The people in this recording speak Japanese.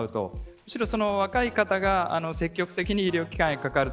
むしろ若い方が積極的に医療機関にかかると。